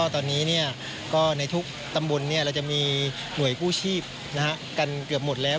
ตอนนี้ก็ในทุกตำบลเราจะมีหน่วยกู้ชีพกันเกือบหมดแล้ว